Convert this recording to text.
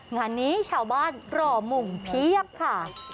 งานนี้ชาวบ้านหล่อมงเพียบค่ะ